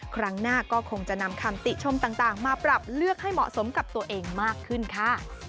ครั้งหน้าก็คงจะนำคำติชมต่างมาปรับเลือกให้เหมาะสมกับตัวเองมากขึ้นค่ะ